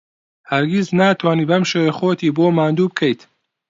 هەرگیز ناتوانیت بەو شێوەیە خۆتی بۆ ماندوو بکەیت.